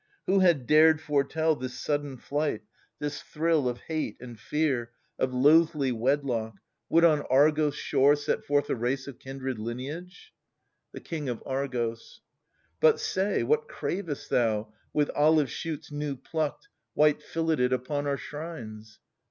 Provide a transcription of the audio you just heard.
Who had dared foretell This sudden flight, this thrill of hate and fear c i8 THE SUPPLIANT MAIDENS. Of loathly wedlock, would on Argos' shore Set forth a race of kindred lineage ? The King of Argos. But say, what cravest thou, with olive shoots New plucked, white filleted, upon our shrines